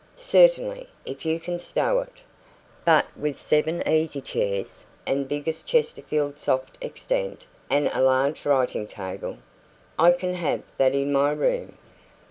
"Certainly, if you can stow it. But with seven easy chairs, and the biggest Chesterfield sofa extant, and a large writing table " "I can have that in my room."